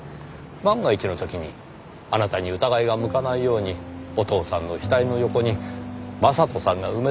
万が一の時にあなたに疑いが向かないようにお父さんの死体の横に将人さんが埋めたのでしょう。